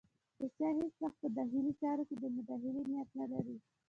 روسیه هېڅ وخت په داخلي چارو کې د مداخلې نیت نه لري.